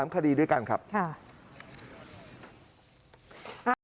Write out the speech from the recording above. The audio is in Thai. ๓คดีด้วยกันครับค่ะ